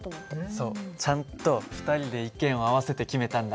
そうちゃんと２人で意見を合わせて決めたんだ。